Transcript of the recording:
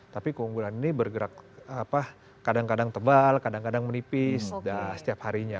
tapi keunggulan ini bergerak kadang kadang tebal kadang kadang menipis setiap harinya